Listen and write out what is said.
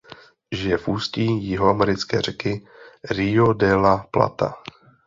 Žije v ústí jihoamerické řeky Río de la Plata.